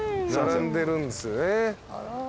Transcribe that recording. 並んでるんですね。